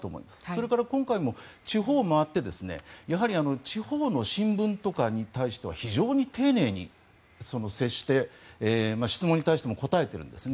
それから今回も、地方を回って地方の新聞とかに対しては非常に丁寧に接して質問に対しても答えているんですね。